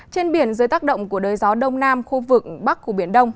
trên biển dưới tác động của đới gió đông nam khu vực bắc của biển đông